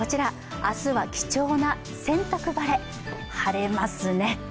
明日は貴重な洗濯晴れ、晴れますね。